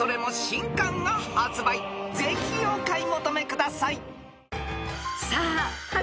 ［ぜひお買い求めください］